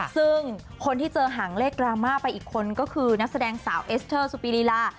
ซึ่งคนที่เจอหางเลขดราม่าไปอีกคนก็คือนักแสดงสาวเอสเตอร์สุปีรีลา